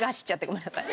ごめんなさい。